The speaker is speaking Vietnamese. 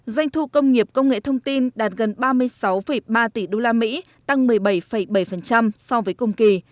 doanh thu công nghiệp công nghệ thông tin đạt gần ba mươi sáu ba tỷ usd tăng một mươi bảy bảy so với cùng kỳ